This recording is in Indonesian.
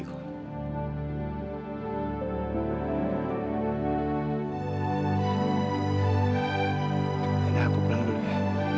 aku pulang dulu ya